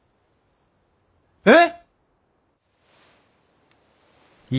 えっ！